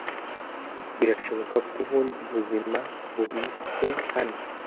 Birashoboka ko ubundi buzima bubitswe hano